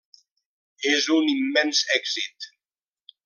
I és un immens èxit.